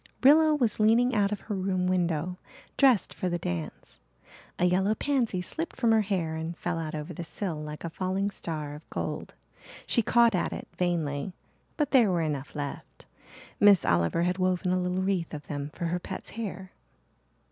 Rilla was leaning out of her room window, dressed for the dance. A yellow pansy slipped from her hair and fell out over the sill like a falling star of gold. She caught at it vainly but there were enough left. Miss Oliver had woven a little wreath of them for her pet's hair.